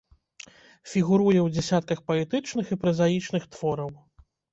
Фігуруе ў дзясятках паэтычных і празаічных твораў.